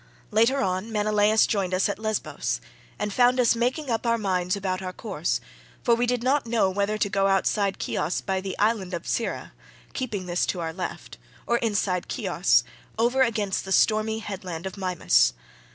Later on Menelaus joined us at Lesbos, and found us making up our minds about our course—for we did not know whether to go outside Chios by the island of Psyra, keeping this to our left, or inside Chios, over against the stormy headland of Mimas.